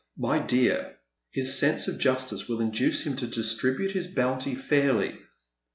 " My dear, his sense of justice will induce him to distribute his bounty f ahly."